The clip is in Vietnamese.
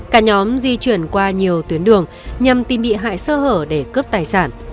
cả nhóm di chuyển qua nhiều tuyến đường nhằm tìm bị hại sơ hở để cướp tài sản